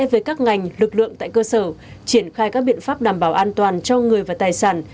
với các ngành lực lượng tại cơ sở triển khai các biện pháp đảm bảo an toàn cho người và tài sản